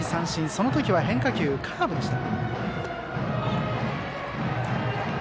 その時は変化球、カーブでした。